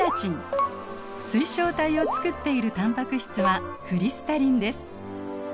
水晶体をつくっているタンパク質はクリスタリンです。